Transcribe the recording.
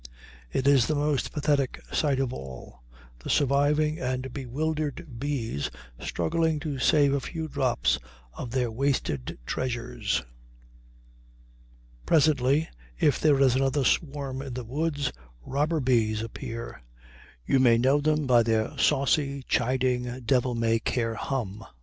It is the most pathetic sight of all, the surviving and bewildered bees struggling to save a few drops of their wasted treasures. Presently, if there is another swarm in the woods, robber bees appear. You may know them by their saucy, chiding, devil may care hum.